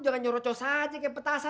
lu jangan nyurocos aja kayak petasa